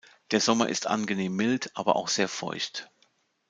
Der Sommer ist angenehm mild, aber auch sehr feucht.